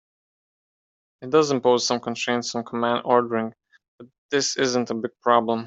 It does impose some constraints on command ordering, but this isn't a big problem.